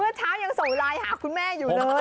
เช้ายังส่งไลน์หาคุณแม่อยู่เลย